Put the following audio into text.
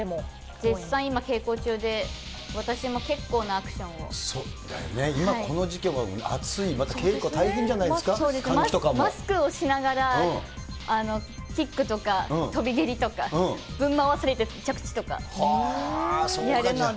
実際今、稽古中で、私も結構今、この時期、暑い、まず、マスクをしながら、キックとか飛び蹴りとか、ぶん回されて着地とか、やるので。